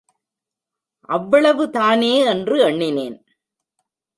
அவ்வவவு தானே என்று எண்ணினேன்.